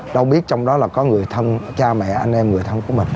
đâu biết trong đó là có người thân cha mẹ anh em